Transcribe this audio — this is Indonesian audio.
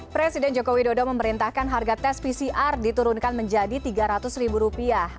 presiden joko widodo memerintahkan harga tes pcr diturunkan menjadi rp tiga ratus ribu rupiah